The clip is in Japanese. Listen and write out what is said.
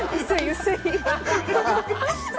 薄い。